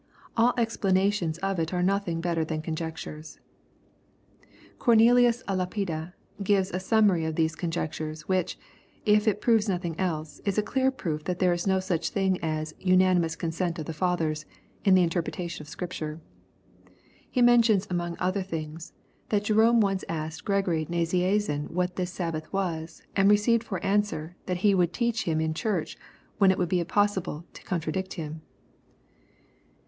AH explanations of it are nothing better than conjectures. Cornelius ^ Lapide gives a sum mary of these conjectures, which, if it proves nothing else, is a clear proof that there is no such thing as '^ unanimous consent of the Fathers" in the interpretation of Scripture. He mentions, among other things, that Jerome once asked Gregory Nazianzen what this Sabbath was, and received for answer, that he would teach him in church when it would be impossible to contradict him.